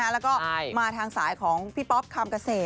แล้วก็มาทางสายของพี่ป๊อปคำเกษตร